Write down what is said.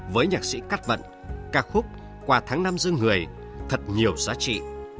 với nhạc sĩ cát vận ca khúc qua tháng năm dương người thật nhiều giá trị